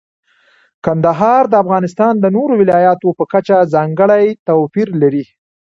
کندهار د افغانستان د نورو ولایاتو په کچه ځانګړی توپیر لري.